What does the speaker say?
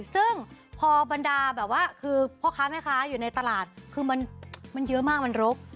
ซึ่งพอบรรดาแบบว่าคือพ่อค้าแม่ค้าอยู่ในตลาดคือมันเยอะมากมันรก